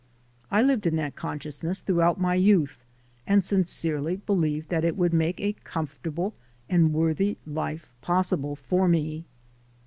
I lived in that consciousness throughout my youth and sincerely believed that it would make a comfortable and worthy life possible for me.